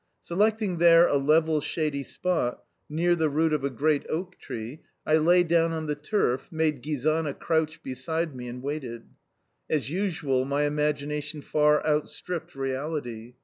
Selecting there a level, shady spot near the roots of a great oak tree, I lay down on the turf, made Gizana crouch beside me, and waited. As usual, my imagination far outstripped reality.